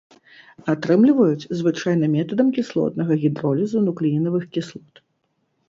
Атрымліваюць звычайна метадам кіслотнага гідролізу нуклеінавых кіслот.